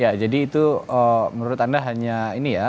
ya jadi itu menurut anda hanya ini ya